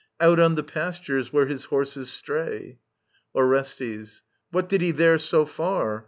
Out on the pastures where his horses stray. Orestes. What did he there so far